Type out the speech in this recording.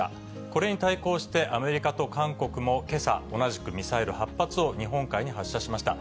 これに対抗して、アメリカと韓国もけさ、同じくミサイル８発を日本海に発射しました。